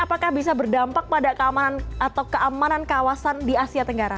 apakah bisa berdampak pada keamanan atau keamanan kawasan di asia tenggara